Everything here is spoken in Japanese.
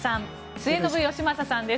末延吉正さんです。